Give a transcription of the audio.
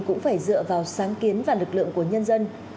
cũng phải dựa vào sáng kiến và lực lượng của nhân dân